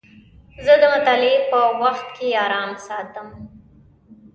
زه د مطالعې په وخت کې ارام ساتم.